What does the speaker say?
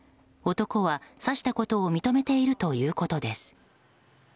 男は、刺したことを認めているということです。